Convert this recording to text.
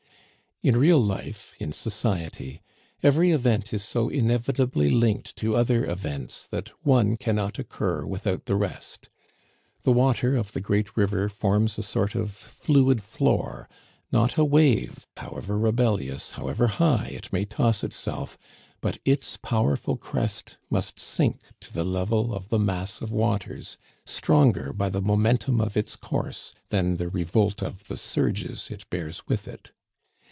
In real life, in society, every event is so inevitably linked to other events, that one cannot occur without the rest. The water of the great river forms a sort of fluid floor; not a wave, however rebellious, however high it may toss itself, but its powerful crest must sink to the level of the mass of waters, stronger by the momentum of its course than the revolt of the surges it bears with it.